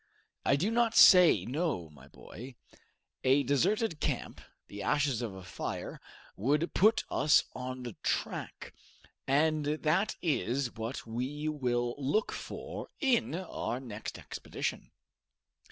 "I do not say no, my boy. A deserted camp, the ashes of a fire, would put us on the track, and this is what we will look for in our next expedition."